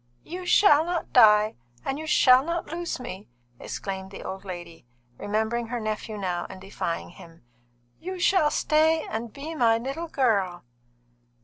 "You shall not die, and you shall not lose me!" exclaimed the old lady, remembering her nephew now and defying him. "You shall stay and be my little girl."